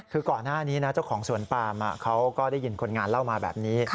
คือก่อนหน้านี้นะเจ้าของสวนปามเขาก็ได้ยินคนงานเล่ามาแบบนี้